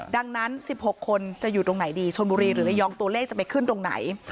ดังนั้น๑๖คนจะอยู่ตรงไหนดีชนบุรีหรือระยองตัวเลขจะไปขึ้นตรงไหน